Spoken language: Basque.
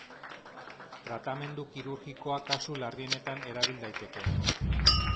Tratamendu kirurgikoa kasu larrienetan erabil daiteke.